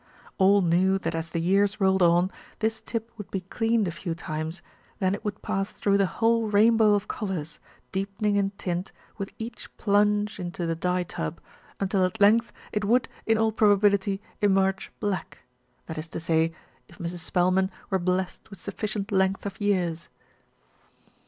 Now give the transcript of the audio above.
All knew that as the years rolled on, this tip would be cleaned a few times, then it would pass through the whole rainbow of colours, deepening in tint with each plunge into the dye tub, until at length it would, in all probability, emerge black that is to say if Mrs. Spel man were blessed with sufficient length of years.